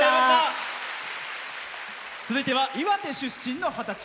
続いては岩手出身の二十歳。